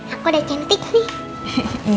aku udah cantik nih